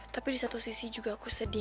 tapi di satu sisi juga aku sedih